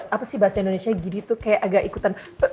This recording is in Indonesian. apa sih bahasa indonesia gini tuh kayak agak ikutan